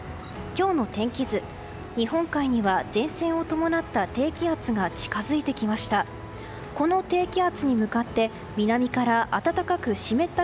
日本海には前線を伴った低気圧が近づいてきました。